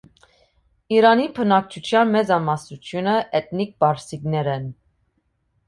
Իրանի բնակչության մեծամասնությունը էթնիկ պարսիկներ են։